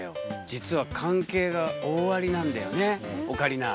実は関係が大ありなんだよねオカリナ。